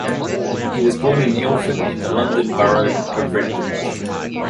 He was born in Ilford in the London Borough of Redbridge.